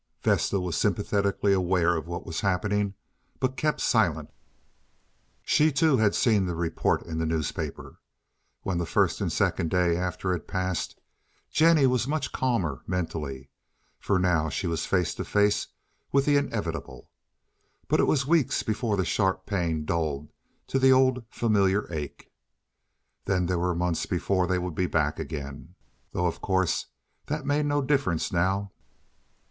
Vesta was sympathetically aware of what was happening, but kept silent. She too had seen the report in the newspaper. When the first and second day after had passed Jennie was much calmer mentally, for now she was face to face with the inevitable. But it was weeks before the sharp pain dulled to the old familiar ache. Then there were months before they would be back again, though, of course, that made no difference now.